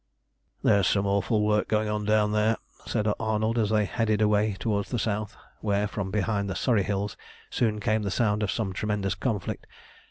"There is some awful work going on down there," said Arnold, as they headed away towards the south, where, from behind the Surrey hills, soon came the sound of some tremendous conflict.